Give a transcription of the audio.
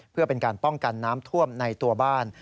เพื่อเป็นการป้องกันน้ำท่วมในตัวบ้าน